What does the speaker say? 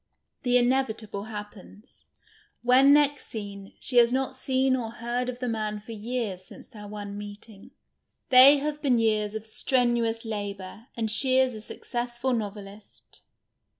The inevitable happens. When next seen, she has not seen or heard of the man for years since their one meeting. They have been years of strenuous labour, and she is a successful novelist.